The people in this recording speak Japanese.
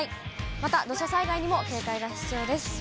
また土砂災害にも警戒が必要です。